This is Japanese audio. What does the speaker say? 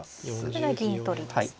これが銀取りですね。